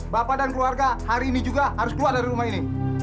bapak dan keluarga hari ini juga harus keluar dari rumah ini